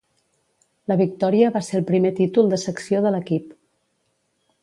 La victòria va ser el primer títol de secció de l'equip.